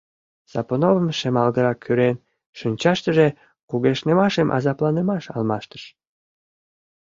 Сапуновын шемалгырак-кӱрен шинчаштыже кугешнымашым азапланымаш алмаштыш.